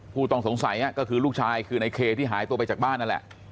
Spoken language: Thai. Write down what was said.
ผู้ต้องสงสัยก็คือลูกชายคือในเคที่หายตัวไปจากบ้านนั่นแหละ